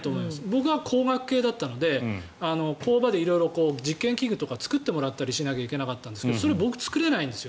僕は工学系だったので工場で色々実験器具とか作ってもらわないといけなかったんですがそれ、僕作れないんです。